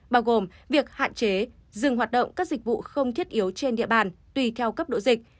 bao gồm việc hạn chế dừng hoạt động các dịch vụ không thiết yếu trên địa bàn tùy theo cấp độ dịch